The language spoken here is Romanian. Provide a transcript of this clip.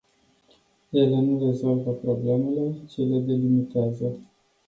Ele nu rezolvă problemele, ci le delimitează.